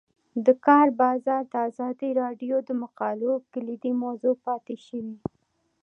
د کار بازار د ازادي راډیو د مقالو کلیدي موضوع پاتې شوی.